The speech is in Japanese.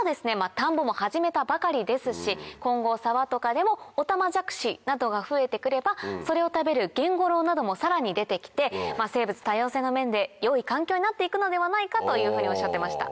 田んぼも始めたばかりですし今後沢とかでもオタマジャクシなどが増えてくればそれを食べるゲンゴロウなどもさらに出てきて生物多様性の面で良い環境になっていくのではないかとおっしゃってました。